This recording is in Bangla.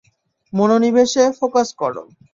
মনোনিবেশে, ফোকাস করো।